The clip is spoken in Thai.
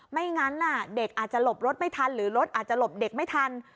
ไม่งั้นเด็กอาจจะหลบรถไม่ทันหรือรถอาจจะหลบเด็กไม่ทัน